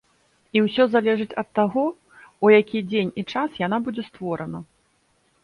І ўсё залежыць ад таго, у які дзень і час яна будзе створана.